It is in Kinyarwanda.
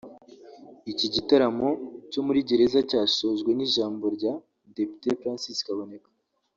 Iki gitaramo cyo muri gereza cyasojwe n’ijambo rya Depite Francis Kaboneka